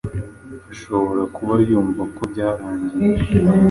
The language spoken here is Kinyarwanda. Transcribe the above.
ashobora kuba yumva ko byarangiye